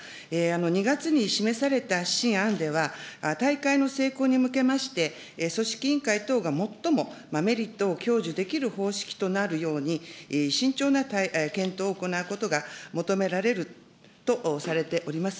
２月に示された指針案では、大会の成功に向けまして、組織委員会等が最もメリットを享受できる方式となるように、慎重な検討を行うことが求められるとされております。